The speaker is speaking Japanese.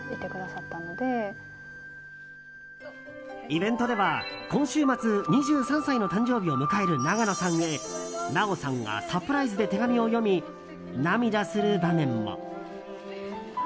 イベントでは今週末２３歳の誕生日を迎える永野さんへ奈緒さんがサプライズで手紙を読み、涙する場面も。